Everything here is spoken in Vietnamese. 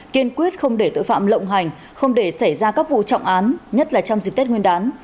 kiên quyết không để tội phạm lộng hành không để xảy ra các vụ trọng án nhất là trong dịp tết nguyên đán